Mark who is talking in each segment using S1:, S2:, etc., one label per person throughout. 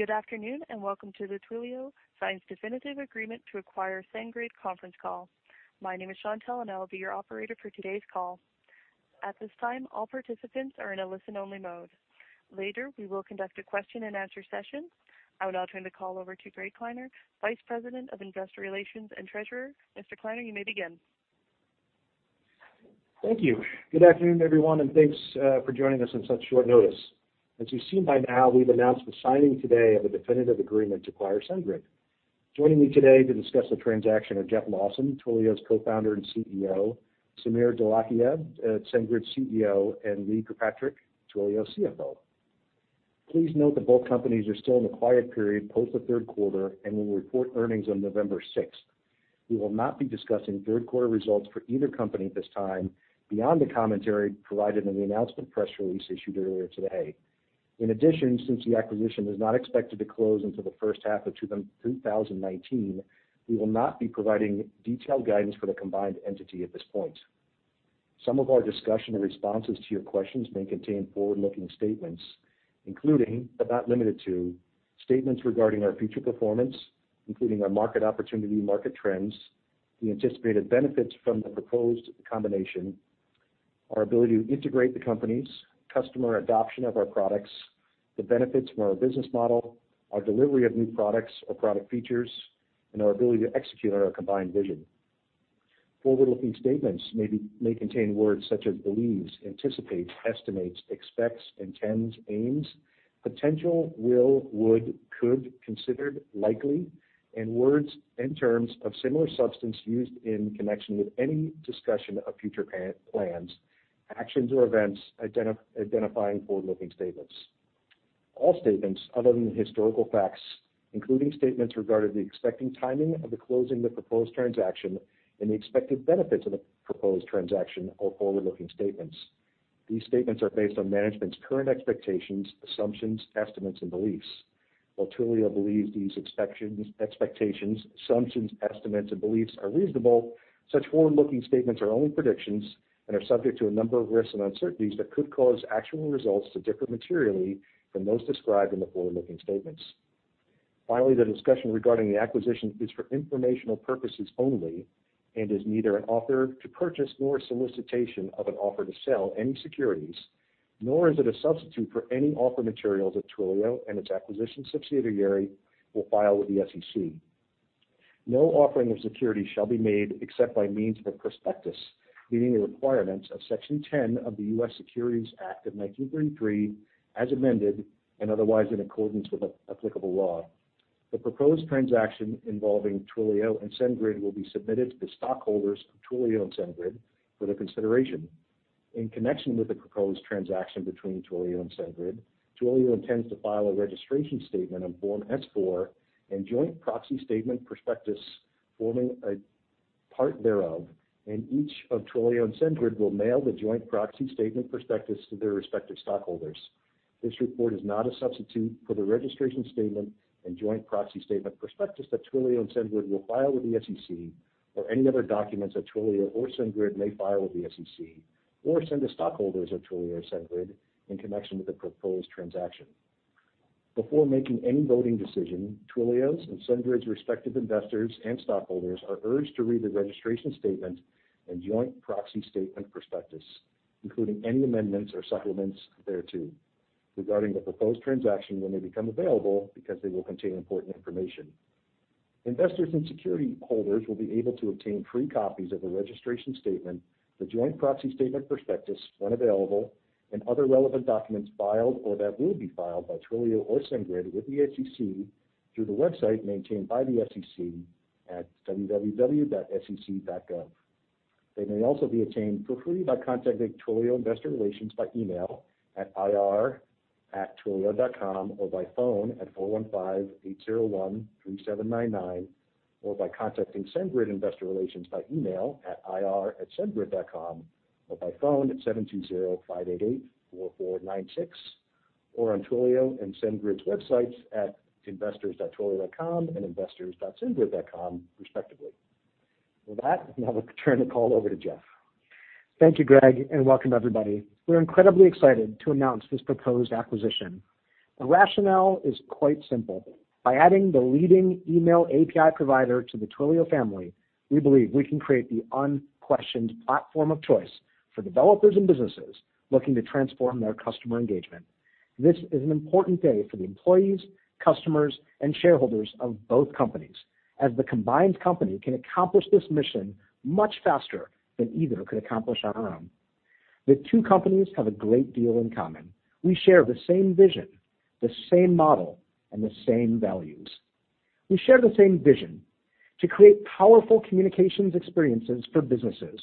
S1: Good afternoon, welcome to the Twilio Signs Definitive Agreement to Acquire SendGrid conference call. My name is Chantelle, and I will be your operator for today's call. At this time, all participants are in a listen-only mode. Later, we will conduct a question and answer session. I will now turn the call over to Greg Kleiner, Vice President of Investor Relations and Treasurer. Mr. Klevorn, you may begin.
S2: Thank you. Good afternoon, everyone, thanks for joining us on such short notice. As you've seen by now, we've announced the signing today of a definitive agreement to acquire SendGrid. Joining me today to discuss the transaction are Jeff Lawson, Twilio's Co-founder and CEO, Sameer Dholakia, SendGrid's CEO, and Lee Kirkpatrick, Twilio's CFO. Please note that both companies are still in a quiet period post the third quarter and will report earnings on November 6th. We will not be discussing third-quarter results for either company at this time beyond the commentary provided in the announcement press release issued earlier today. In addition, since the acquisition is not expected to close until the first half of 2019, we will not be providing detailed guidance for the combined entity at this point. Some of our discussion and responses to your questions may contain forward-looking statements including, but not limited to, statements regarding our future performance, including our market opportunity, market trends, the anticipated benefits from the proposed combination, our ability to integrate the companies, customer adoption of our products, the benefits from our business model, our delivery of new products or product features, our ability to execute on our combined vision. Forward-looking statements may contain words such as believes, anticipates, estimates, expects, intends, aims, potential, will, would, could, considered, likely, and words and terms of similar substance used in connection with any discussion of future plans, actions, or events identifying forward-looking statements. All statements other than historical facts, including statements regarding the expected timing of the closing of the proposed transaction and the expected benefits of the proposed transaction, are forward-looking statements. These statements are based on management's current expectations, assumptions, estimates, and beliefs. While Twilio believes these expectations, assumptions, estimates, and beliefs are reasonable, such forward-looking statements are only predictions and are subject to a number of risks and uncertainties that could cause actual results to differ materially from those described in the forward-looking statements. The discussion regarding the acquisition is for informational purposes only and is neither an offer to purchase nor a solicitation of an offer to sell any securities, nor is it a substitute for any offer materials that Twilio and its acquisition subsidiary will file with the SEC. No offering of securities shall be made except by means of a prospectus meeting the requirements of Section 10 of the U.S. Securities Act of 1933 as amended and otherwise in accordance with applicable law. The proposed transaction involving Twilio and SendGrid will be submitted to the stockholders of Twilio and SendGrid for their consideration. In connection with the proposed transaction between Twilio and SendGrid, Twilio intends to file a registration statement on Form S-4 and joint proxy statement prospectus forming a part thereof, and each of Twilio and SendGrid will mail the joint proxy statement prospectus to their respective stockholders. This report is not a substitute for the registration statement and joint proxy statement prospectus that Twilio and SendGrid will file with the SEC or any other documents that Twilio or SendGrid may file with the SEC or send to stockholders of Twilio or SendGrid in connection with the proposed transaction. Before making any voting decision, Twilio's and SendGrid's respective investors and stockholders are urged to read the registration statement and joint proxy statement prospectus, including any amendments or supplements thereto regarding the proposed transaction when they become available because they will contain important information. Investors and security holders will be able to obtain free copies of the registration statement, the joint proxy statement prospectus when available, and other relevant documents filed or that will be filed by Twilio or SendGrid with the SEC through the website maintained by the SEC at www.sec.gov. They may also be obtained for free by contacting Twilio Investor Relations by email at ir@twilio.com, or by phone at 415-801-3799, or by contacting SendGrid Investor Relations by email at ir@sendgrid.com, or by phone at 720-588-4496, or on Twilio and SendGrid's websites at investors.twilio.com and investors.sendgrid.com respectively. With that, now I turn the call over to Jeff.
S3: Thank you, Greg, welcome everybody. We're incredibly excited to announce this proposed acquisition. The rationale is quite simple. By adding the leading email API provider to the Twilio family, we believe we can create the unquestioned platform of choice for developers and businesses looking to transform their customer engagement. This is an important day for the employees, customers, and shareholders of both companies, as the combined company can accomplish this mission much faster than either could accomplish on our own. The two companies have a great deal in common. We share the same vision, the same model, and the same values. We share the same vision to create powerful communications experiences for businesses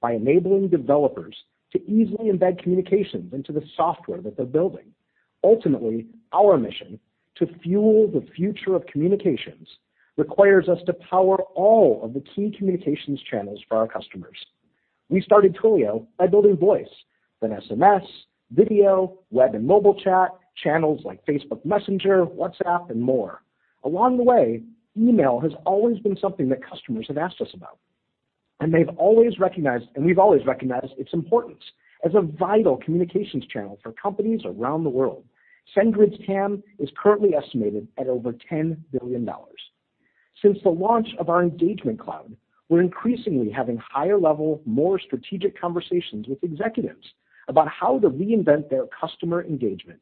S3: by enabling developers to easily embed communications into the software that they're building. Ultimately, our mission to fuel the future of communications requires us to power all of the key communications channels for our customers. We started Twilio by building voice, then SMS, video, web, and mobile chat, channels like Facebook Messenger, WhatsApp, and more. Along the way, email has always been something that customers have asked us about. We've always recognized its importance as a vital communications channel for companies around the world. SendGrid's TAM is currently estimated at over $10 billion. Since the launch of our Engagement Cloud, we're increasingly having higher level, more strategic conversations with executives about how to reinvent their customer engagement,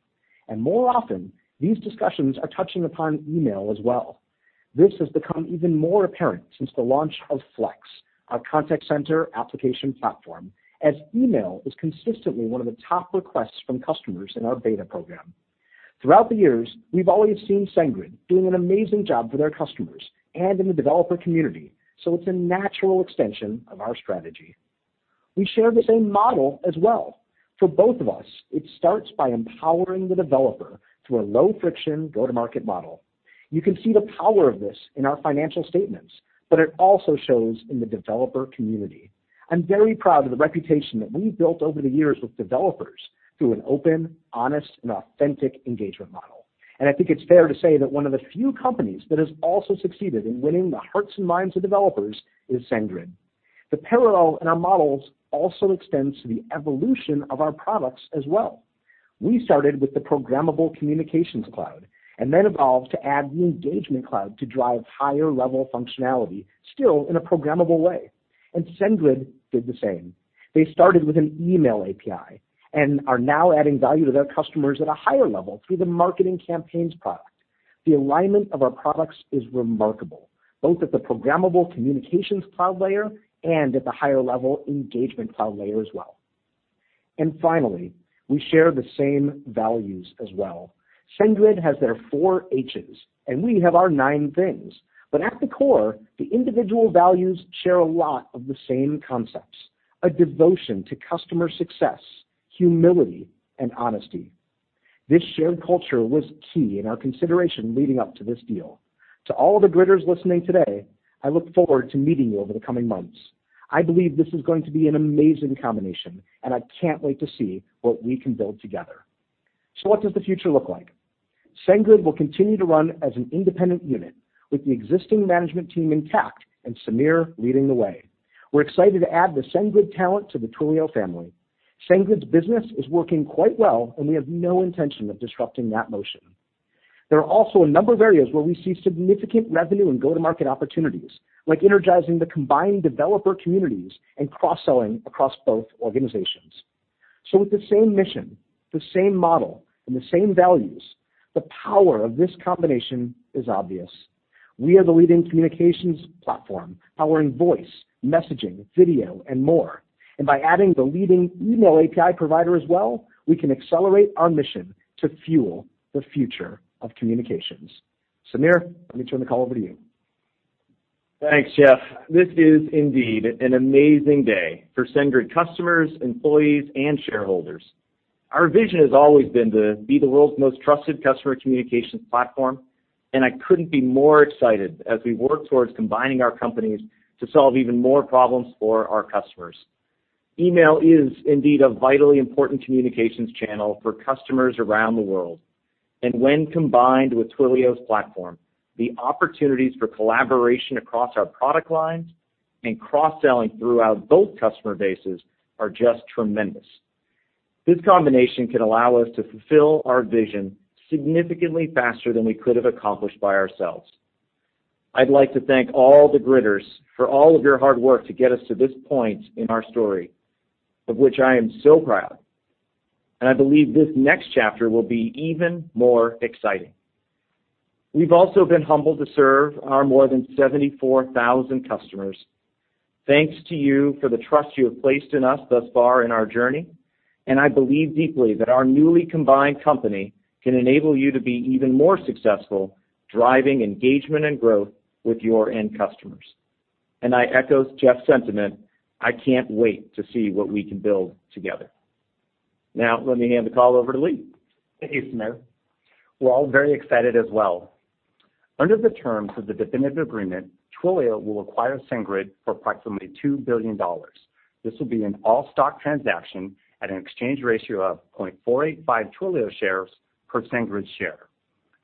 S3: and more often, these discussions are touching upon email as well. This has become even more apparent since the launch of Flex, our contact center application platform, as email is consistently one of the top requests from customers in our beta program. Throughout the years, we've always seen SendGrid doing an amazing job for their customers and in the developer community, it's a natural extension of our strategy. We share the same model as well. For both of us, it starts by empowering the developer through a low-friction go-to-market model. You can see the power of this in our financial statements, it also shows in the developer community. I'm very proud of the reputation that we've built over the years with developers through an open, honest, and authentic engagement model. I think it's fair to say that one of the few companies that has also succeeded in winning the hearts and minds of developers is SendGrid. The parallel in our models also extends to the evolution of our products as well. We started with the Programmable Communications Cloud and evolved to add the Engagement Cloud to drive higher-level functionality, still in a programmable way, SendGrid did the same. They started with an email API and are now adding value to their customers at a higher level through the Marketing Campaigns product. The alignment of our products is remarkable, both at the Programmable Communications Cloud layer and at the higher level Engagement Cloud layer as well. Finally, we share the same values as well. SendGrid has their four Hs, we have our nine things. At the core, the individual values share a lot of the same concepts, a devotion to customer success, humility, and honesty. This shared culture was key in our consideration leading up to this deal. To all the Gridders listening today, I look forward to meeting you over the coming months. I believe this is going to be an amazing combination, I can't wait to see what we can build together. What does the future look like? SendGrid will continue to run as an independent unit with the existing management team intact, Sameer leading the way. We're excited to add the SendGrid talent to the Twilio family. SendGrid's business is working quite well, we have no intention of disrupting that motion. There are also a number of areas where we see significant revenue and go-to-market opportunities, like energizing the combined developer communities and cross-selling across both organizations. With the same mission, the same model, and the same values, the power of this combination is obvious. We are the leading communications platform, powering voice, messaging, video, and more. By adding the leading email API provider as well, we can accelerate our mission to fuel the future of communications. Sameer, let me turn the call over to you.
S4: Thanks, Jeff. This is indeed an amazing day for SendGrid customers, employees, and shareholders. Our vision has always been to be the world's most trusted customer communications platform, and I couldn't be more excited as we work towards combining our companies to solve even more problems for our customers. Email is indeed a vitally important communications channel for customers around the world. When combined with Twilio's platform, the opportunities for collaboration across our product lines and cross-selling throughout both customer bases are just tremendous. This combination can allow us to fulfill our vision significantly faster than we could have accomplished by ourselves. I'd like to thank all the Gridders for all of your hard work to get us to this point in our story, of which I am so proud. I believe this next chapter will be even more exciting. We've also been humbled to serve our more than 74,000 customers. Thanks to you for the trust you have placed in us thus far in our journey. I believe deeply that our newly combined company can enable you to be even more successful driving engagement and growth with your end customers. I echo Jeff's sentiment, I can't wait to see what we can build together. Now, let me hand the call over to Lee.
S5: Thank you, Sameer. We're all very excited as well. Under the terms of the definitive agreement, Twilio will acquire SendGrid for approximately $2 billion. This will be an all-stock transaction at an exchange ratio of 0.485 Twilio shares per SendGrid share.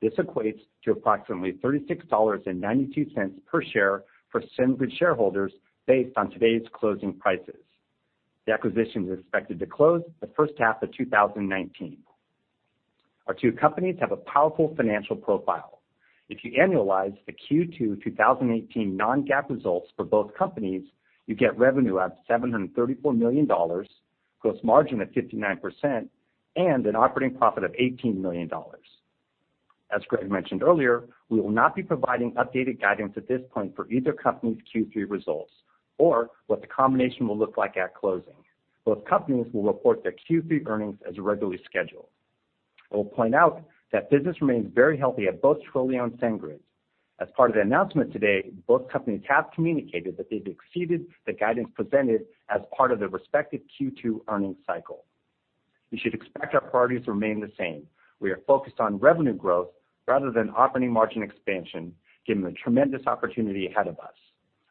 S5: This equates to approximately $36.92 per share for SendGrid shareholders based on today's closing prices. The acquisition is expected to close the first half of 2019. Our two companies have a powerful financial profile. If you annualize the Q2 2018 non-GAAP results for both companies, you get revenue of $734 million, gross margin of 59%, and an operating profit of $18 million. As Greg mentioned earlier, we will not be providing updated guidance at this point for either company's Q3 results or what the combination will look like at closing. Both companies will report their Q3 earnings as regularly scheduled. I will point out that business remains very healthy at both Twilio and SendGrid. As part of the announcement today, both companies have communicated that they've exceeded the guidance presented as part of their respective Q2 earnings cycle. You should expect our priorities remain the same. We are focused on revenue growth rather than operating margin expansion, given the tremendous opportunity ahead of us.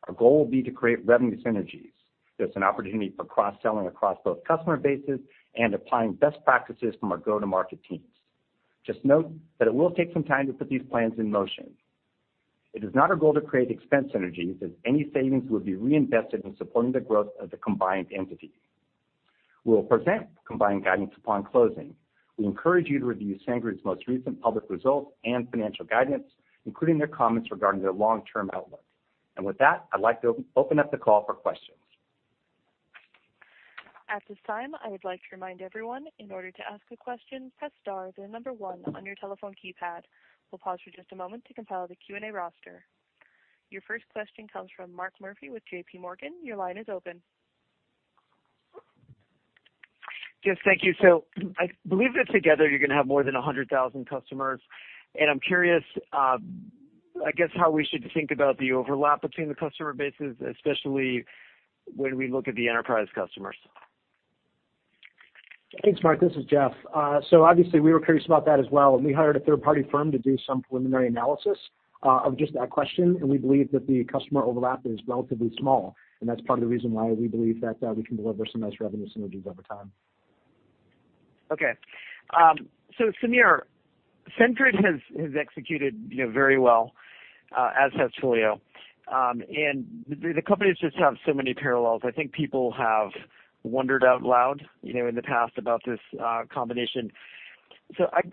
S5: Our goal will be to create revenue synergies. There's an opportunity for cross-selling across both customer bases and applying best practices from our go-to-market teams. Just note that it will take some time to put these plans in motion. It is not our goal to create expense synergies, as any savings will be reinvested in supporting the growth of the combined entity. We'll present combined guidance upon closing. We encourage you to review SendGrid's most recent public results and financial guidance, including their comments regarding their long-term outlook. With that, I'd like to open up the call for questions.
S1: At this time, I would like to remind everyone, in order to ask a question, press star, then number one on your telephone keypad. We'll pause for just a moment to compile the Q&A roster. Your first question comes from Mark Murphy with J.P. Morgan. Your line is open.
S6: Yes, thank you. I believe that together you're going to have more than 100,000 customers. I'm curious, I guess, how we should think about the overlap between the customer bases, especially when we look at the enterprise customers.
S3: Thanks, Mark. This is Jeff. Obviously, we were curious about that as well, we hired a third-party firm to do some preliminary analysis of just that question, we believe that the customer overlap is relatively small. That's part of the reason why we believe that we can deliver some nice revenue synergies over time.
S6: Okay. Sameer, SendGrid has executed very well, as has Twilio. The companies just have so many parallels. I think people have wondered out loud in the past about this combination.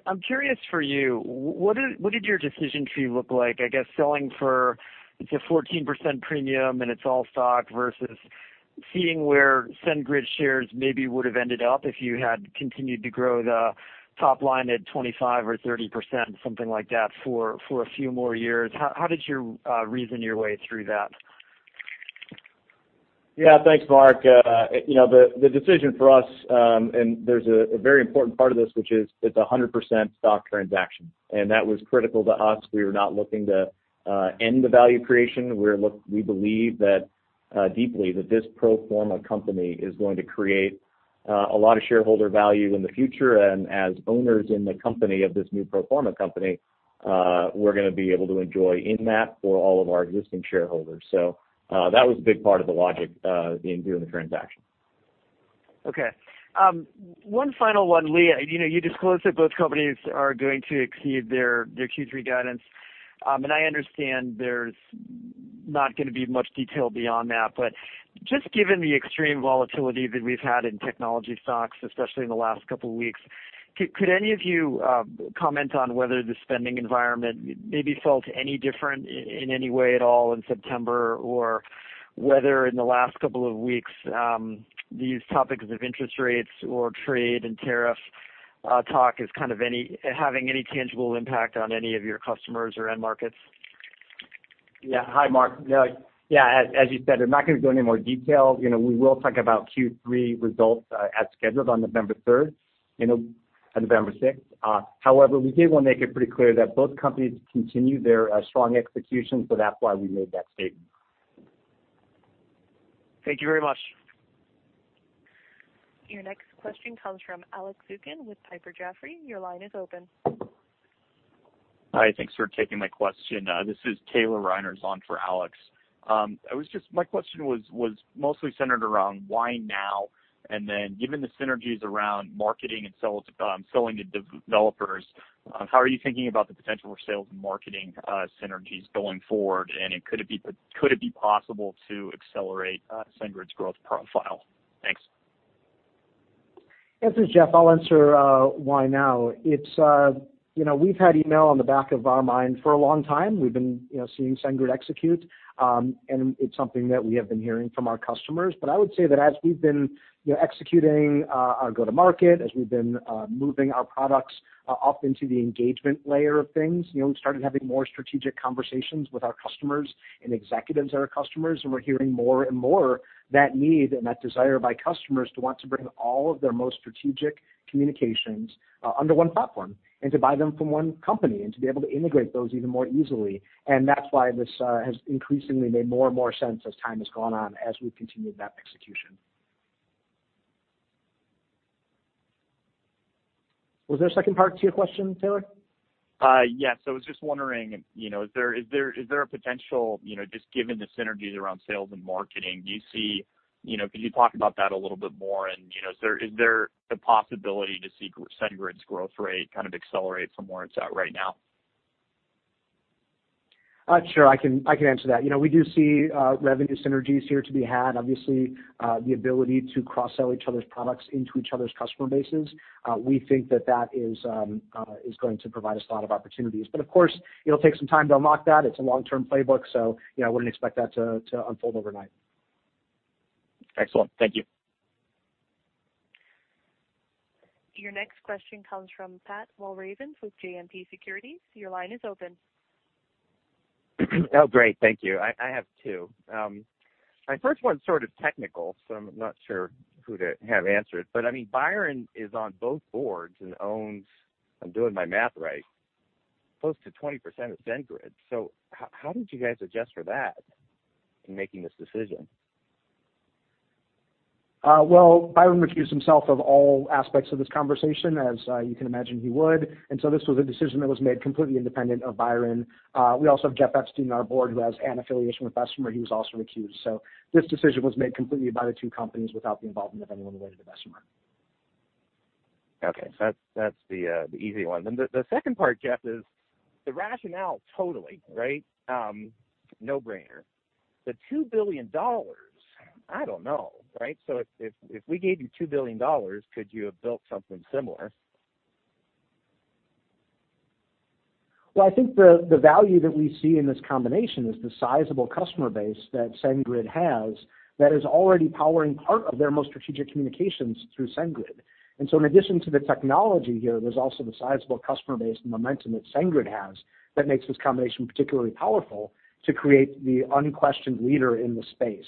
S6: I'm curious for you, what did your decision tree look like? I guess selling for, it's a 14% premium and it's all stock versus seeing where SendGrid shares maybe would have ended up if you had continued to grow the top line at 25% or 30%, something like that for a few more years. How did you reason your way through that?
S4: Yeah, thanks, Mark. The decision for us, there's a very important part of this, which is it's a 100% stock transaction, and that was critical to us. We were not looking to end the value creation. We believe deeply that this pro forma company is going to create a lot of shareholder value in the future. As owners in the company of this new pro forma company, we're going to be able to enjoy in that for all of our existing shareholders. That was a big part of the logic in doing the transaction.
S6: Okay. One final one, Lee. You disclosed that both companies are going to exceed their Q3 guidance. I understand there's not going to be much detail beyond that, but just given the extreme volatility that we've had in technology stocks, especially in the last couple of weeks, could any of you comment on whether the spending environment maybe felt any different in any way at all in September, or whether in the last couple of weeks, these topics of interest rates or trade and tariff talk is kind of having any tangible impact on any of your customers or end markets?
S5: Yeah. Hi, Mark. As you said, I'm not going to go into any more detail. We will talk about Q3 results as scheduled on November 6th. However, we did want to make it pretty clear that both companies continue their strong execution, that's why we made that statement.
S6: Thank you very much.
S1: Your next question comes from Alex Zukin with Piper Jaffray. Your line is open.
S7: Hi, thanks for taking my question. This is Taylor Reiners on for Alex. My question was mostly centered around why now? Given the synergies around marketing and selling to developers, how are you thinking about the potential for sales and marketing synergies going forward? Could it be possible to accelerate SendGrid's growth profile? Thanks.
S3: This is Jeff. I'll answer why now. We've had email on the back of our mind for a long time. We've been seeing SendGrid execute, and it's something that we have been hearing from our customers. I would say that as we've been executing our go-to market, as we've been moving our products up into the engagement layer of things, we started having more strategic conversations with our customers and executives that are customers, and we're hearing more and more that need and that desire by customers to want to bring all of their most strategic communications under one platform, and to buy them from one company, and to be able to integrate those even more easily. That's why this has increasingly made more and more sense as time has gone on as we've continued that execution. Was there a second part to your question, Taylor?
S7: Yes. I was just wondering, is there a potential, just given the synergies around sales and marketing, can you talk about that a little bit more? Is there the possibility to see SendGrid's growth rate kind of accelerate from where it's at right now?
S3: Sure, I can answer that. We do see revenue synergies here to be had. Obviously, the ability to cross-sell each other's products into each other's customer bases. We think that that is going to provide us a lot of opportunities. Of course, it'll take some time to unlock that. It's a long-term playbook, so I wouldn't expect that to unfold overnight.
S7: Excellent. Thank you.
S1: Your next question comes from Pat Walravens with JMP Securities. Your line is open.
S8: Oh, great. Thank you. I have two. My first one's sort of technical, so I'm not sure who to have answer it, but Byron is on both boards and owns, I'm doing my math right, close to 20% of SendGrid. How did you guys adjust for that in making this decision?
S3: Well, Byron recused himself of all aspects of this conversation, as you can imagine he would. This was a decision that was made completely independent of Byron. We also have Jeff Epstein on our board who has an affiliation with Bessemer. He was also recused. This decision was made completely by the two companies without the involvement of anyone related to Bessemer.
S8: Okay. That's the easy one. The second part, Jeff, is the rationale totally. No-brainer. The $2 billion, I don't know. If we gave you $2 billion, could you have built something similar?
S3: Well, I think the value that we see in this combination is the sizable customer base that SendGrid has that is already powering part of their most strategic communications through SendGrid. In addition to the technology here, there's also the sizable customer base and momentum that SendGrid has that makes this combination particularly powerful to create the unquestioned leader in the space.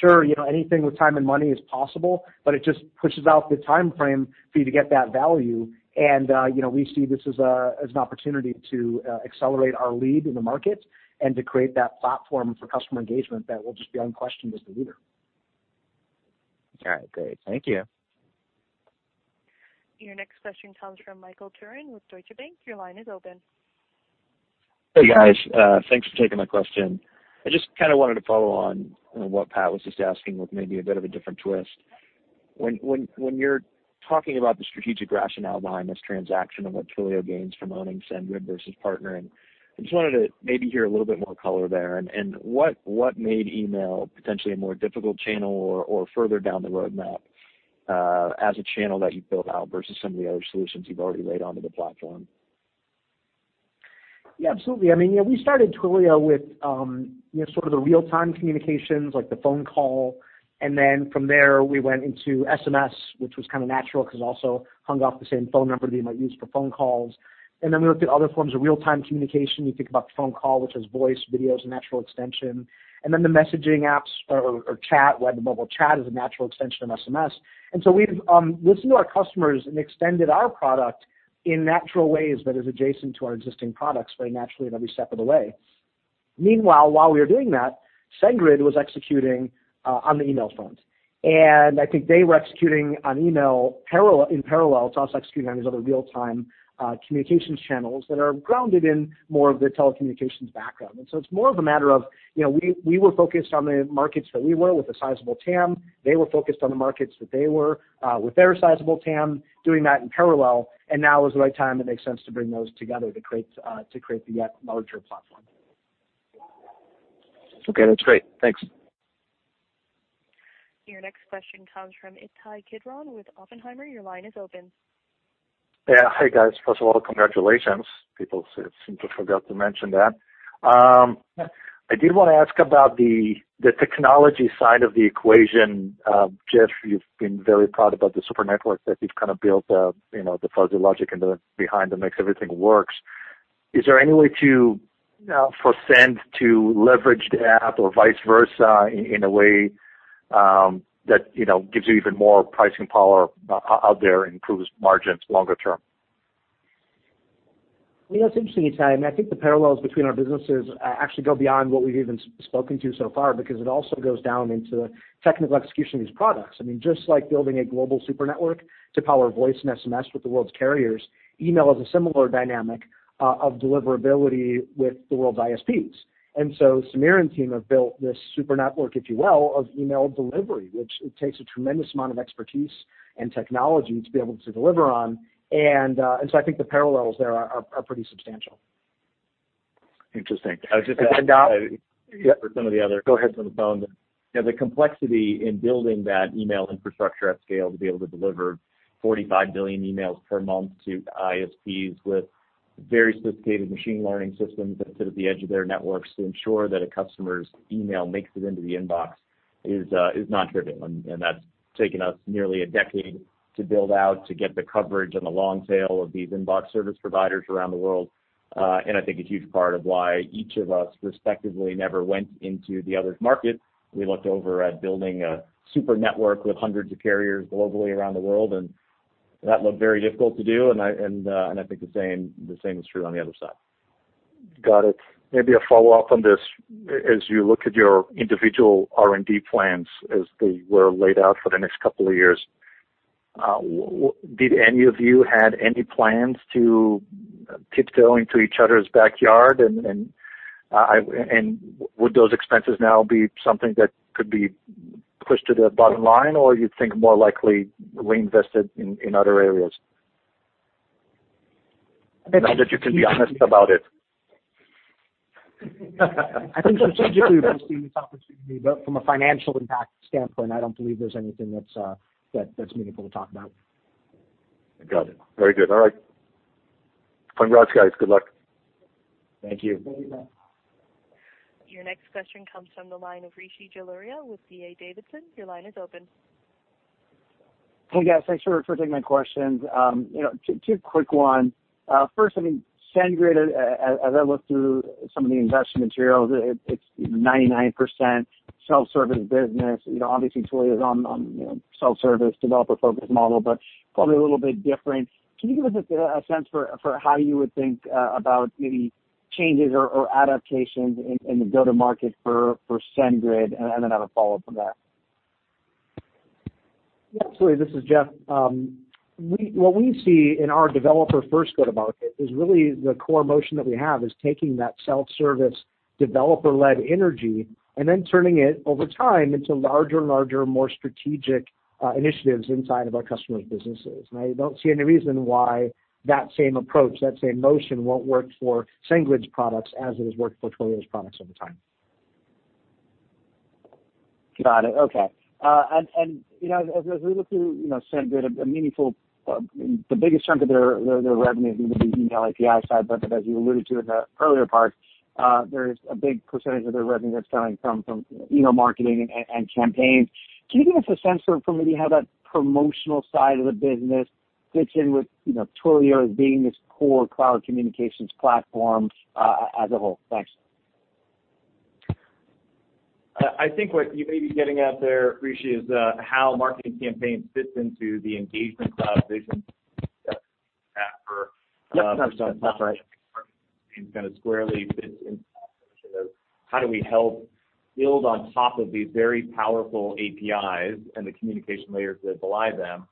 S3: Sure, anything with time and money is possible, but it just pushes out the timeframe for you to get that value, and we see this as an opportunity to accelerate our lead in the market and to create that platform for customer engagement that will just be unquestioned as the leader.
S8: All right, great. Thank you.
S1: Your next question comes from Michael Turrin with Deutsche Bank. Your line is open.
S9: Hey, guys. Thanks for taking my question. I just wanted to follow on what Pat was just asking with maybe a bit of a different twist. When you're talking about the strategic rationale behind this transaction and what Twilio gains from owning SendGrid versus partnering, I just wanted to maybe hear a little bit more color there, and what made email potentially a more difficult channel or further down the roadmap, as a channel that you built out versus some of the other solutions you've already laid onto the platform?
S3: Yeah, absolutely. We started Twilio with sort of the real-time communications, like the phone call, and then from there, we went into SMS, which was kind of natural because it also hung off the same phone number that you might use for phone calls. Then we looked at other forms of real-time communication. You think about the phone call, which is voice, video as a natural extension. Then the messaging apps or chat, web and mobile chat as a natural extension of SMS. So we've listened to our customers and extended our product in natural ways that is adjacent to our existing products very naturally in every step of the way. Meanwhile, while we were doing that, SendGrid was executing on the email front. I think they were executing on email in parallel to us executing on these other real-time communications channels that are grounded in more of the telecommunications background. So it's more of a matter of, we were focused on the markets that we were with a sizable TAM. They were focused on the markets that they were, with their sizable TAM, doing that in parallel, now is the right time it makes sense to bring those together to create the yet larger platform.
S9: Okay, that's great. Thanks.
S1: Your next question comes from Ittai Kidron with Oppenheimer. Your line is open.
S10: Yeah. Hey, guys. First of all, congratulations. People seem to forgot to mention that. I did want to ask about the technology side of the equation. Jeff, you've been very proud about the Super Network that you've built, the fuzzy logic behind that makes everything works. Is there any way for SendGrid to leverage the API or vice versa in a way that gives you even more pricing power out there and improves margins longer term?
S3: That's interesting, Ittai. I think the parallels between our businesses actually go beyond what we've even spoken to so far because it also goes down into technical execution of these products. Just like building a global Super Network to power voice and SMS with the world's carriers, email is a similar dynamic of deliverability with the world's ISPs. Sameer and team have built this Super Network, if you will, of email delivery, which it takes a tremendous amount of expertise and technology to be able to deliver on. I think the parallels there are pretty substantial.
S10: Interesting.
S3: Yeah.
S10: for some of the other, go ahead from the phone. The complexity in building that email infrastructure at scale to be able to deliver 45 billion emails per month to ISPs with very sophisticated machine learning systems that sit at the edge of their networks to ensure that a customer's email makes it into the inbox is non-trivial, and that's taken us nearly a decade to build out to get the coverage and the long tail of these inbox service providers around the world. I think a huge part of why each of us respectively never went into the other's market. We looked over at building a Super Network with hundreds of carriers globally around the world, that looked very difficult to do, and I think the same is true on the other side. Got it. Maybe a follow-up on this. As you look at your individual R&D plans as they were laid out for the next couple of years, did any of you had any plans to tiptoe into each other's backyard, and would those expenses now be something that could be pushed to the bottom line, or you'd think more likely reinvested in other areas? Now that you can be honest about it.
S3: I think strategically, we've seen this opportunity, but from a financial impact standpoint, I don't believe there's anything that's meaningful to talk about.
S10: Got it. Very good. All right. Congrats, guys. Good luck.
S3: Thank you.
S1: Your next question comes from the line of Rishi Jaluria with D.A. Davidson. Your line is open.
S11: Hey, guys. Thanks for taking my questions. Two quick one. First, SendGrid, as I look through some of the investment materials, it's 99% self-service business. Obviously Twilio is on self-service developer-focused model, but probably a little bit different. Can you give us a sense for how you would think about maybe changes or adaptations in the go-to-market for SendGrid? Then I have a follow-up from that.
S3: Yeah, Rishi, this is Jeff. What we see in our developer-first go-to-market is really the core motion that we have is taking that self-service, developer-led energy then turning it over time into larger and larger, more strategic initiatives inside of our customers' businesses. I don't see any reason why that same approach, that same motion, won't work for SendGrid's products as it has worked for Twilio's products over time.
S11: Got it. Okay. As we look through SendGrid, the biggest chunk of their revenue is going to be the email API side, but as you alluded to in the earlier part, there is a big percentage of their revenue that's coming from email marketing and campaigns. Can you give us a sense for maybe how that promotional side of the business fits in with Twilio as being this core cloud communications platform, as a whole? Thanks.
S4: I think what you may be getting at there, Rishi, is how Marketing Campaigns fit into the Engagement Cloud vision.
S11: Yes, that's right.
S4: Kind of squarely fits into how do we help build on top of these very powerful APIs and the communication layers that belie them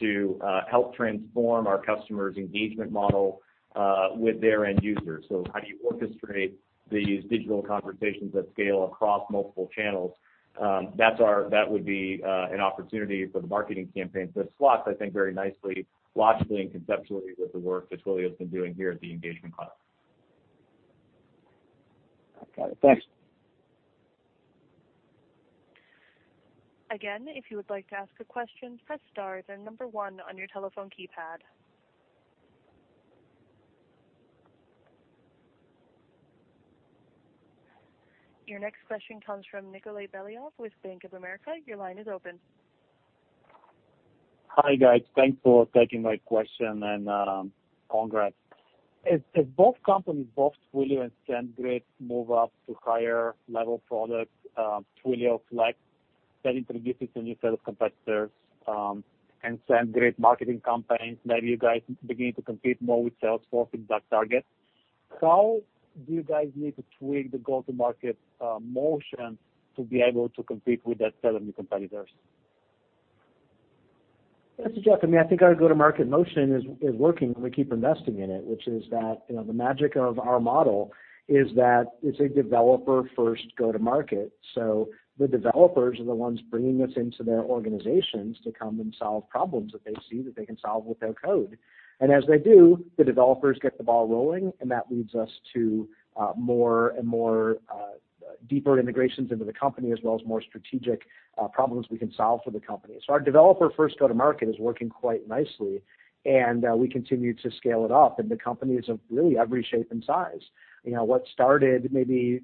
S4: to help transform our customers' engagement model, with their end users. How do you orchestrate these digital conversations at scale across multiple channels? That would be an opportunity for the Marketing Campaign to slot, I think, very nicely, logically, and conceptually with the work that Twilio's been doing here at the Engagement Cloud.
S11: Got it. Thanks.
S1: If you would like to ask a question, press star, then 1 on your telephone keypad. Your next question comes from Nikolay Beliov with Bank of America. Your line is open.
S12: Hi, guys. Thanks for taking my question and, congrats. Both companies, both Twilio and SendGrid, move up to higher level products, Twilio Flex, that introduces a new set of competitors, SendGrid Marketing Campaigns, maybe you guys begin to compete more with Salesforce and growth target. How do you guys need to tweak the go-to-market motion to be able to compete with that set of new competitors?
S3: This is Jeff. I think our go-to-market motion is working and we keep investing in it, which is that the magic of our model is that it's a developer-first go-to-market. The developers are the ones bringing us into their organizations to come and solve problems that they see that they can solve with their code. As they do, the developers get the ball rolling, that leads us to more and more deeper integrations into the company, as well as more strategic problems we can solve for the company. Our developer-first go-to-market is working quite nicely, and we continue to scale it up in the companies of really every shape and size. What started maybe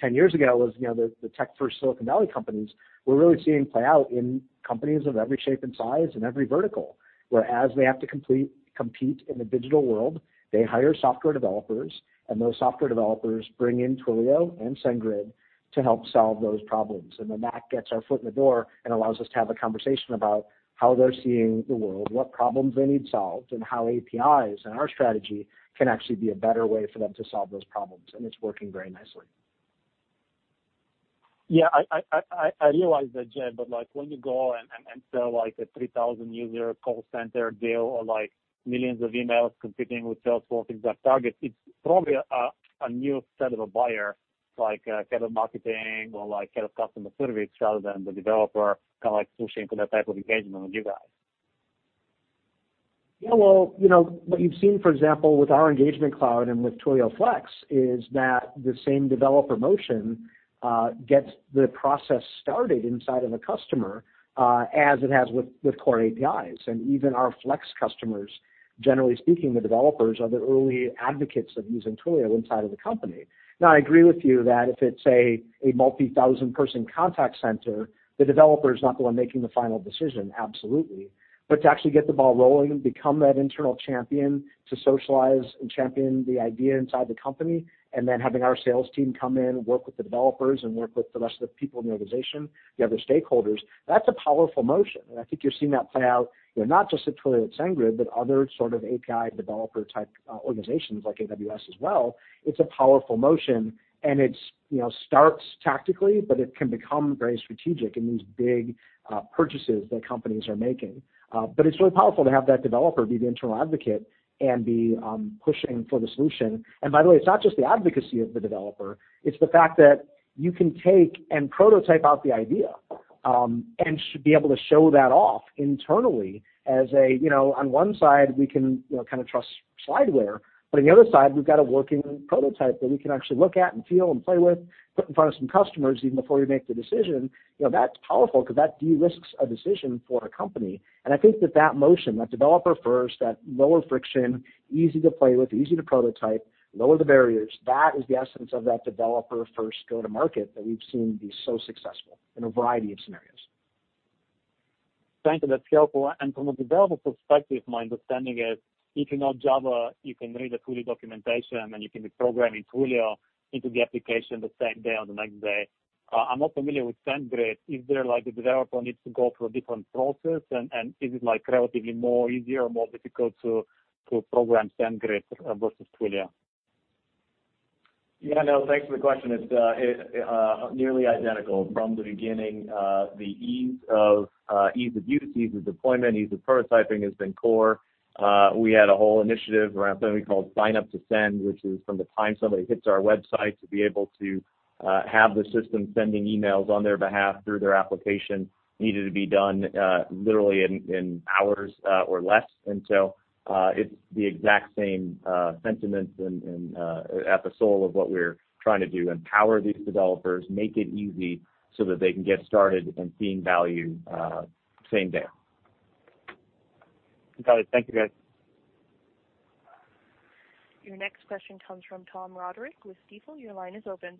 S3: 10 years ago was the tech-first Silicon Valley companies we're really seeing play out in companies of every shape and size and every vertical, where as they have to compete in the digital world, they hire software developers, those software developers bring in Twilio and SendGrid to help solve those problems. That gets our foot in the door and allows us to have a conversation about how they're seeing the world, what problems they need solved, and how APIs and our strategy can actually be a better way for them to solve those problems. It's working very nicely.
S12: I realize that, Jeff, when you go and sell a 3,000-user call center deal or millions of emails competing with Salesforce and DocTarget, it's probably a new set of a buyer, head of marketing or head of customer service rather than the developer pushing for that type of engagement with you guys.
S3: What you've seen, for example, with our Engagement Cloud and with Twilio Flex is that the same developer motion gets the process started inside of a customer, as it has with core APIs. Even our Flex customers, generally speaking, the developers are the early advocates of using Twilio inside of the company. I agree with you that if it's a multi-thousand-person contact center, the developer is not the one making the final decision, absolutely. To actually get the ball rolling and become that internal champion to socialize and champion the idea inside the company, then having our sales team come in, work with the developers, and work with the rest of the people in the organization, the other stakeholders, that's a powerful motion, I think you're seeing that play out not just at Twilio and SendGrid, but other sort of API developer-type organizations like AWS as well. It's a powerful motion, it starts tactically, but it can become very strategic in these big purchases that companies are making. It's really powerful to have that developer be the internal advocate and be pushing for the solution. By the way, it's not just the advocacy of the developer, it's the fact that you can take and prototype out the idea, be able to show that off internally as a, on one side, we can kind of trust slideware, on the other side, we've got a working prototype that we can actually look at and feel and play with, put in front of some customers, even before we make the decision. That's powerful because that de-risks a decision for a company. I think that that motion, that developer-first, that lower friction, easy to play with, easy to prototype, lower the barriers, that is the essence of that developer-first go-to-market that we've seen be so successful in a variety of scenarios.
S12: Thank you. That's helpful. From a developer perspective, my understanding is if you know Java, you can read the Twilio documentation, and you can be programming Twilio into the application the same day or the next day. I'm not familiar with SendGrid. Is there like the developer needs to go through a different process, and is it relatively more easier or more difficult to program SendGrid versus Twilio?
S4: Yeah, no, thanks for the question. It's nearly identical from the beginning. The ease of use, ease of deployment, ease of prototyping has been core. We had a whole initiative around something called Signup to Send, which is from the time somebody hits our website to be able to have the system sending emails on their behalf through their application, needed to be done literally in hours or less. So it's the exact same sentiments and at the soul of what we're trying to do, empower these developers, make it easy so that they can get started and seeing value same day.
S12: Got it. Thank you, guys.
S1: Your next question comes from Tom Roderick with Stifel. Your line is open.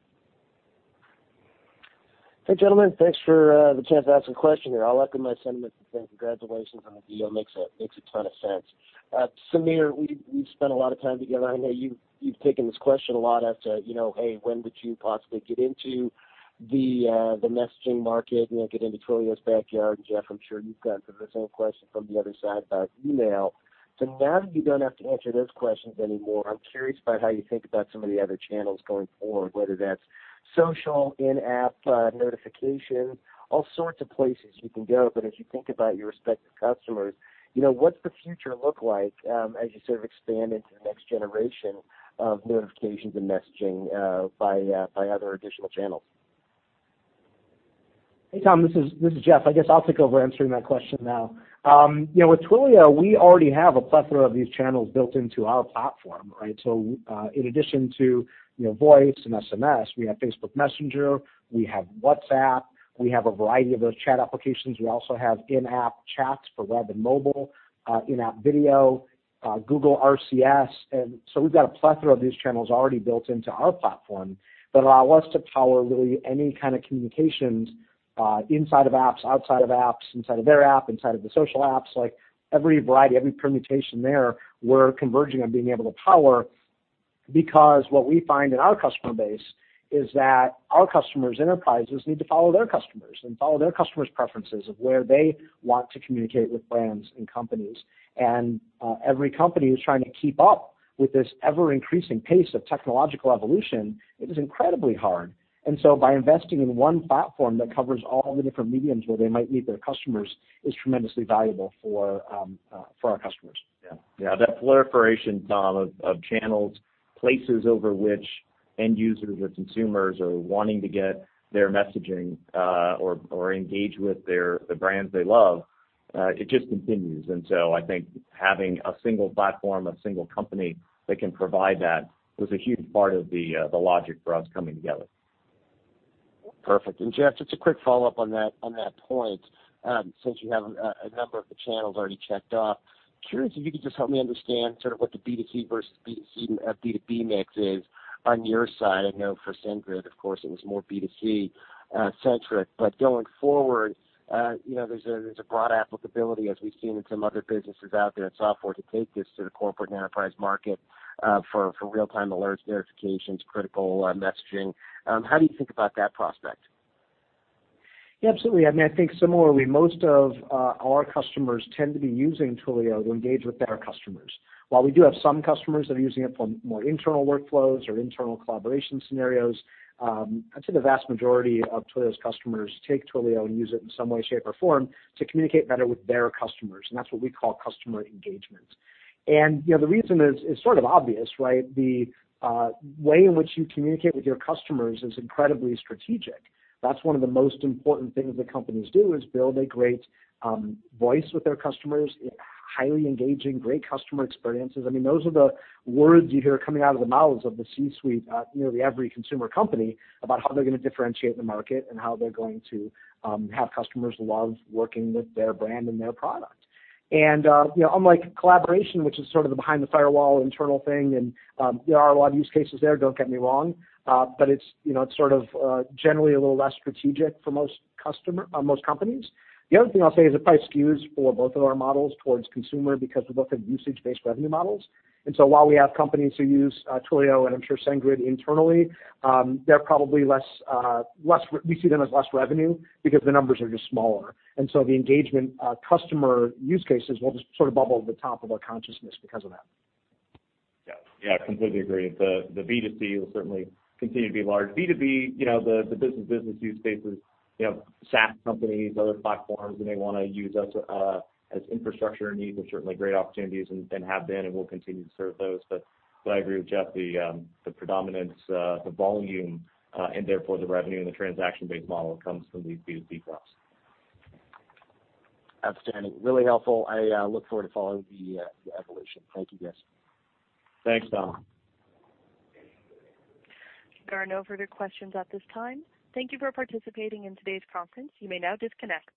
S13: Hey, gentlemen. Thanks for the chance to ask a question here. I'll echo my sentiments and say congratulations on the deal, makes a ton of sense. Samir, we've spent a lot of time together. I know you've taken this question a lot as to, hey, when would you possibly get into the messaging market, get into Twilio's backyard? Jeff, I'm sure you've got the same question from the other side about email. Now that you don't have to answer those questions anymore, I'm curious about how you think about some of the other channels going forward, whether that's social, in-app notification, all sorts of places you can go. As you think about your respective customers, what's the future look like as you sort of expand into the next generation of notifications and messaging by other additional channels?
S3: Hey, Tom, this is Jeff. I guess I'll take over answering that question now. With Twilio, we already have a plethora of these channels built into our platform, right? In addition to voice and SMS, we have Facebook Messenger, we have WhatsApp, we have a variety of those chat applications. We also have in-app chats for web and mobile, in-app video, Google RCS. We've got a plethora of these channels already built into our platform that allow us to power really any kind of communications inside of apps, outside of apps, inside of their app, inside of the social apps, like every variety, every permutation there, we're converging on being able to power. What we find in our customer base is that our customers' enterprises need to follow their customers and follow their customers' preferences of where they want to communicate with brands and companies. Every company is trying to keep up with this ever-increasing pace of technological evolution. It is incredibly hard. By investing in one platform that covers all the different mediums where they might meet their customers is tremendously valuable for our customers.
S4: Yeah. That proliferation, Tom, of channels, places over which end users or consumers are wanting to get their messaging or engage with the brands they love, it just continues. I think having a single platform, a single company that can provide that was a huge part of the logic for us coming together.
S13: Perfect. Jeff, just a quick follow-up on that point, since you have a number of the channels already checked off, curious if you could just help me understand sort of what the B2C versus B2B mix is on your side. I know for SendGrid, of course, it was more B2C-centric. Going forward, there's a broad applicability, as we've seen in some other businesses out there in software, to take this to the corporate and enterprise market for real-time alerts, notifications, critical messaging. How do you think about that prospect?
S3: Yeah, absolutely. I think similarly, most of our customers tend to be using Twilio to engage with their customers. While we do have some customers that are using it for more internal workflows or internal collaboration scenarios, I'd say the vast majority of Twilio's customers take Twilio and use it in some way, shape, or form to communicate better with their customers. That's what we call customer engagement. The reason is sort of obvious, right? The way in which you communicate with your customers is incredibly strategic. That's one of the most important things that companies do is build a great voice with their customers, highly engaging, great customer experiences. Those are the words you hear coming out of the mouths of the C-suite at the every consumer company about how they're going to differentiate the market and how they're going to have customers love working with their brand and their product. Unlike collaboration, which is sort of the behind-the-firewall internal thing, and there are a lot of use cases there, don't get me wrong, but it's sort of generally a little less strategic for most companies. The other thing I'll say is it probably skews for both of our models towards consumer because we both have usage-based revenue models. While we have companies who use Twilio, and I'm sure SendGrid internally, we see them as less revenue because the numbers are just smaller. The engagement customer use cases will just sort of bubble to the top of our consciousness because of that.
S4: Yeah. Completely agree. The B2C will certainly continue to be large. B2B, the business-to-business use cases, SaaS companies, other platforms, they want to use us as infrastructure needs are certainly great opportunities and have been, we'll continue to serve those. I agree with Jeff, the predominance, the volume, and therefore the revenue and the transaction-based model comes from these B2C folks.
S13: Outstanding. Really helpful. I look forward to following the evolution. Thank you, guys.
S4: Thanks, Tom.
S1: There are no further questions at this time. Thank you for participating in today's conference. You may now disconnect.